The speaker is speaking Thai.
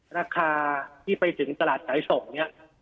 ราคาที่ไปถึงตลาดสายส่งเนี่ย